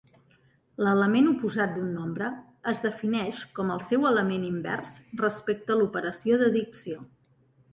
L'element oposat d'un nombre es defineix com el seu element invers respecte l'operació d'addició.